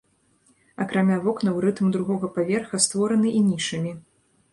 Акрамя вокнаў рытм другога паверха створаны і нішамі.